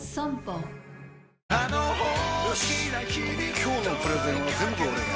今日のプレゼンは全部俺がやる！